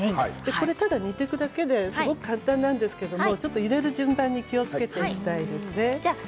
これ、ただ煮ていくだけで簡単なんですけど入れる順番に気をつけていきたいんですね。